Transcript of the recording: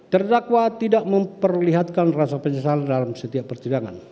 terdakwa tidak memperlihatkan rasa penyesalan dalam setiap persidangan